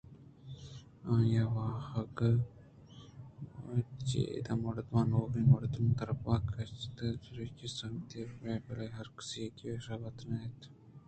آئی واہگ اَت کہ چہ اد ءِ مردماں نوکیں مردم دربہ گیجیت ءُپجّاروکی ءُ سنگتی بہ کنت بلئے ہرکس گیش ئےوت نہ اَت ءُچہ آئیءَ بیزار ءُبے پرواہ گندگ بوت اَنت